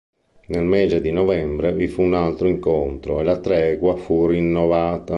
Nel mese di novembre, vi fu un altro incontro e la tregua fu rinnovata.